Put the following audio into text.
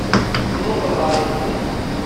Temmuqel ɣer yigenni.